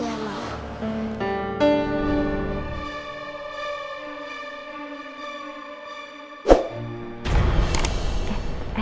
yaudah aku mau ke mobil aja ya